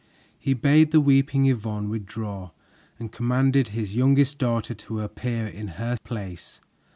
He bade the weeping Yvonne withdraw and commanded his youngest daughter to appear in her place.